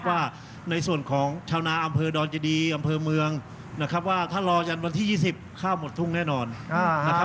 ว่าในส่วนของชาวนาอำเภอดอนเจดีอำเภอเมืองนะครับว่าถ้ารอยันวันที่๒๐ข้าวหมดทุ่งแน่นอนนะครับ